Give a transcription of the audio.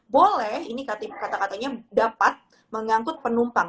boleh ini kata katanya dapat mengangkut penumpang